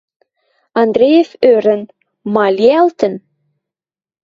Андреев ӧрӹн: ма лиӓлтӹн?